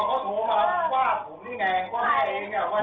พูดว่าคุณอ้าวมันออก